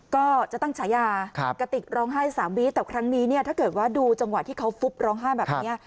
ก็จะตั้งฉายากติกร้องไห้๓วิแต่ครั้งนี้เนี่ยถ้าเกิดว่าดูจังหวะที่เขาฟุบร้องไห้แบบนี้